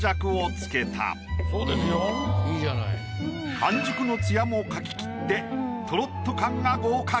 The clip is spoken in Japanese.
半熟のツヤも描ききってとろっと感が合格。